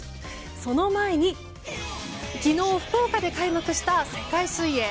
その前に、昨日福岡で開幕した世界水泳。